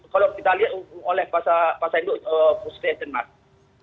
kalau kita lihat pasal itu perusahaan mas